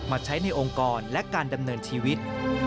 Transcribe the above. ใช้ในองค์กรและการดำเนินชีวิต